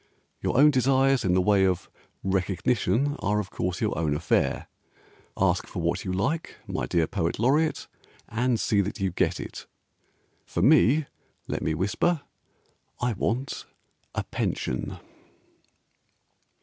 Your own desires in the way of "recognition" Are of course your own affair, Ask for what you like, my dear Poet Laureate, And see that you get it, For me (Let me whisper) I want a pension.